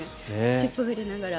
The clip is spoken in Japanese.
尻尾を振りながら。